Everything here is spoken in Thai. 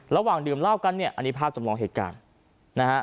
ระหว่างดื่มเหล้ากันเนี่ยอันนี้ภาพจำลองเหตุการณ์นะฮะ